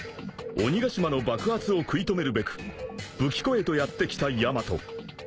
［鬼ヶ島の爆発を食い止めるべく武器庫へとやって来たヤマト］